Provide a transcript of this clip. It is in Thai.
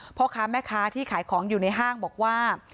พ่อค้าแม่ค้าที่ขายของอยู่ในห้างบอกว่า